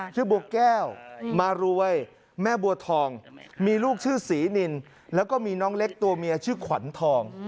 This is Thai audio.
ชื่อบัวแก้วมารวยแม่บัวทองมีลูกชื่อศรีนินแล้วก็มีน้องเล็กตัวเมียชื่อขวัญทอง